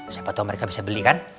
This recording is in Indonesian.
siapa tahu mereka bisa beli kan